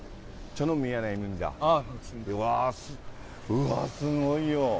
うわー、すごいよ。